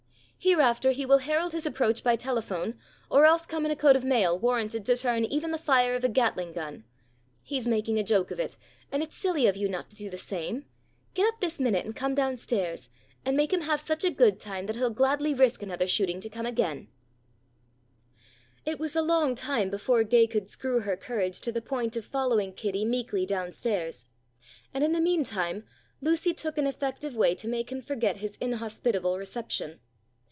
Hereafter he will herald his approach by telephone or else come in a coat of mail warranted to turn even the fire of a Gatling gun. He's making a joke of it, and it's silly of you not to do the same. Get up this minute and come down stairs, and make him have such a good time that he'll gladly risk another shooting to come again." [Illustration: "HE WAS BENDING ANXIOUSLY OVER A BUBBLING SAUCEPAN."] It was a long time before Gay could screw her courage to the point of following Kitty meekly down stairs, and in the meantime Lucy took an effective way to make him forget his inhospitable reception.